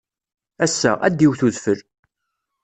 Ass-a, ad iwet udfel.